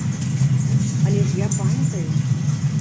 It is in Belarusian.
Але ж я памятаю.